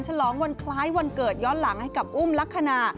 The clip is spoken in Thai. ฉลองวันคล้ายวันเกิดย้อนหลังให้กับอุ้มลักษณะ